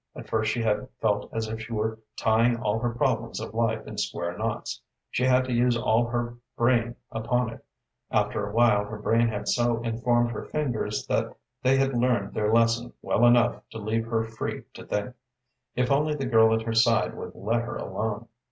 At first she had felt as if she were tying all her problems of life in square knots. She had to use all her brain upon it; after a while her brain had so informed her fingers that they had learned their lesson well enough to leave her free to think, if only the girl at her side would let her alone.